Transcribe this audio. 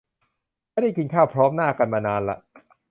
ไม่ได้กินข้าวพร้อมหน้ากันมานานละ